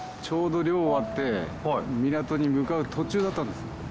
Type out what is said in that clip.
ちょうど漁終わって港に向かう途中だったんです。